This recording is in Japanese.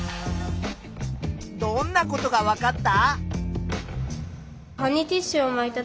どんなことがわかった？